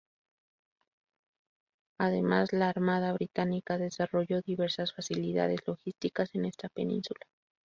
Además la Armada Británica desarrolló diversas facilidades logísticas en esta península.